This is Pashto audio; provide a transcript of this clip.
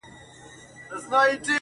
یو مثال بیانوي